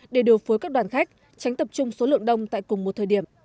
để điều phối các đoàn khách tránh tập trung số lượng đông tại cùng một thời điểm